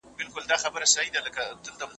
ټوله ژوند په نعمتونو کي روزلي